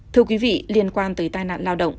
thưa quý vị liên quan tới tai nạn lao động